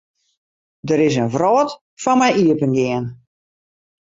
Der is in wrâld foar my iepengien.